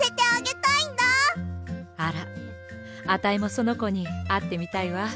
あらあたいもそのこにあってみたいわ。